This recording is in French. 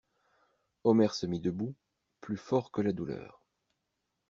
Omer se mit debout, plus fort que la douleur.